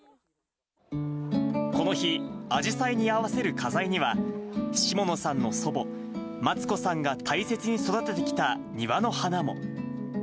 この日、アジサイに合わせる花材には、下野さんの祖母、松子さんが大切に育ててきた庭の花も。